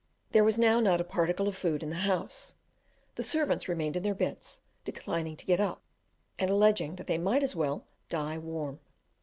There was now not a particle of food in the house. The servants remained in their beds, declining to get up, and alleging that they might as well "die warm."